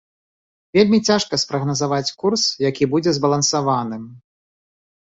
Вельмі цяжка спрагназаваць курс, які будзе збалансаваным.